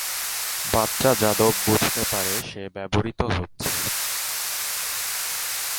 বাচ্চা যাদব বুঝতে পারে সে ব্যবহৃত হচ্ছে।